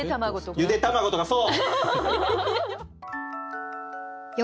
ゆで卵とかそう！